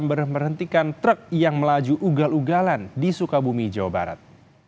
memberhentikan truk yang melaju ugal ugalan di sukabumi jawa barat